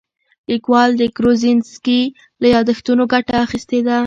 لیکوال د کروزینسکي له یادښتونو ګټه اخیستې ده.